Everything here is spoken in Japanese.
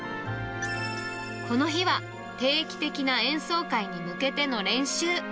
この日は、定期的な演奏会に向けての練習。